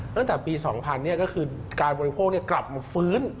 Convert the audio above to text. ตั้งแต่ปี๒๐๐ก็คือการบริโภคกลับมาฟื้น